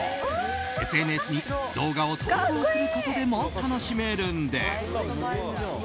ＳＮＳに動画を投稿することでも楽しめるんです。